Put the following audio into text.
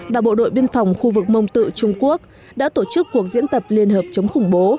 và bộ đội biên phòng khu vực mông tự trung quốc đã tổ chức cuộc diễn tập liên hợp chống khủng bố